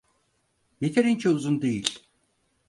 Yeterince uzun değil.